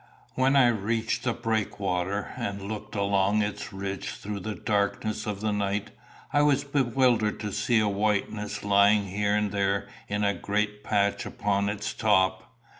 When I reached the breakwater, and looked along its ridge through the darkness of the night, I was bewildered to see a whiteness lying here and there in a great patch upon its top.